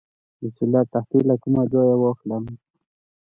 د سولر تختې له کوم ځای واخلم؟